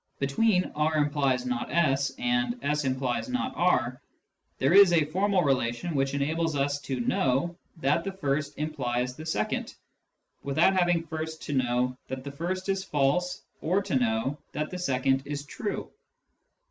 Between " r implies not 5 " and " s implies not r " there is a formal relation which enables us to know that the first implies the second, without having first to know that the first is false or to know that the second is true.